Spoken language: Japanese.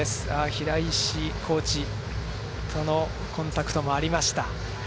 平石コーチとのコンタクトもありました。